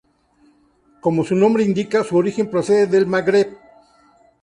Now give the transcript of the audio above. Como su nombre indica, su origen procede del Magreb.